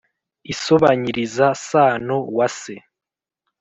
isobanyiriza sano wa se